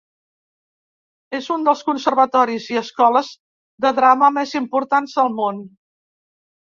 És un dels conservatoris i escoles de drama més importants del món.